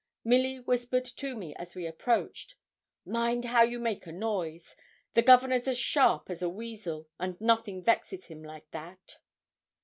Milly whispered to me as we approached 'Mind how you make a noise; the governor's as sharp as a weasel, and nothing vexes him like that.'